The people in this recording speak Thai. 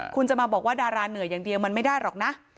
คุณจะมาบอกว่าดาราเหนื่อยอย่างเดียวมันไม่ได้หรอกนะ